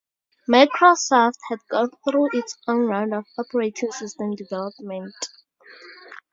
Microsoft had gone through its own round of operating system development.